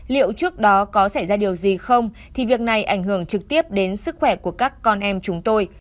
liệu trước đó có xảy ra điều gì không thì việc này ảnh hưởng trực tiếp đến sức khỏe của các con em chúng tôi